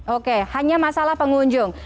oke hanya masalah pengunjung